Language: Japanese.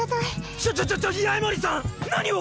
ちょちょちょっ八重森さん⁉何を。